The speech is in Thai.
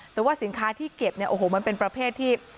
แต่ว่าสินค้าที่เก็บเนี่ยโอ้โหมันเป็นประเภทที่